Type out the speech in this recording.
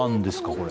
これ。